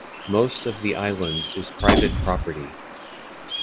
Most of the island is private property.